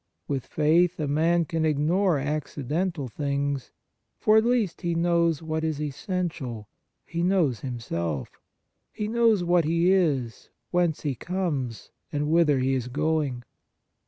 With faith a man can ignore accidental things, for at least he knows what is essential, he knows himself ; he knows what he is, whence he comes, and whither he is going.